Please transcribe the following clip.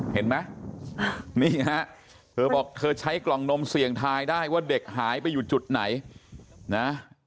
เห็นไหมนี่ฮะเธอบอกเธอใช้กล่องนมเสี่ยงทายได้ว่าเด็กหายไปอยู่จุดไหนนะ